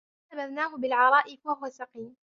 فنبذناه بالعراء وهو سقيم